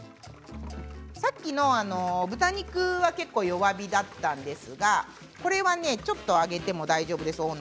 さっきの豚肉は結構、弱火だったんですがこれはちょっと温度を上げても大丈夫です。